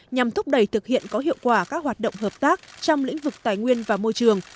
nhằm thúc đẩy thực hiện có hiệu quả các hoạt động hợp tác trong lĩnh vực tài nguyên và môi trường